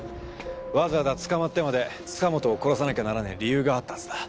わざわざ捕まってまで塚本を殺さなきゃならねえ理由があったはずだ。